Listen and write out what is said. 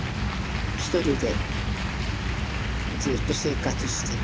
一人でずっと生活して。